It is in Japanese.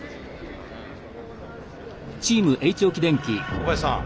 小林さん